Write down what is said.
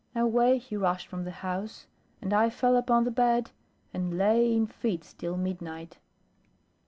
Away he rushed from the house, and I fell upon the bed, and lay in fits till midnight.